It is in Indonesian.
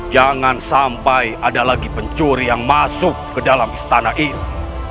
jangan sampai ada lagi pencuri yang masuk ke dalam istana ini